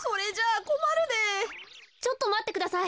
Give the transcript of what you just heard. ちょっとまってください。